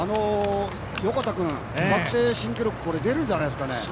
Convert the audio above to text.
横田君、学生新記録出るんじゃないですかね？